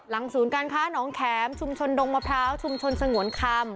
ศูนย์การค้าน้องแข็มชุมชนดงมะพร้าวชุมชนสงวนคำ